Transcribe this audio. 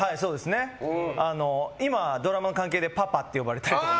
今、ドラマの関係でパパって呼ばれたりとか。